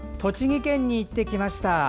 栃木県に行ってきました。